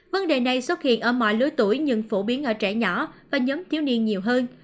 vấn đề này xuất hiện ở mọi lứa tuổi nhưng phổ biến ở trẻ nhỏ và nhóm thiếu niên nhiều hơn